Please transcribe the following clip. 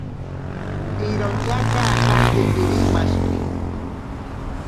Iroñaka ajate Irimashiki.